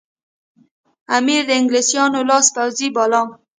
امیر د انګلیسیانو لاس پوڅی باله.